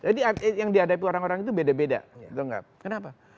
jadi yang dihadapi orang orang itu beda beda betul nggak kenapa